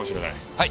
はい。